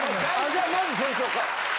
じゃあまずそうしょうか。